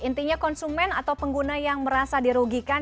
intinya konsumen atau pengguna yang merasa dirugikan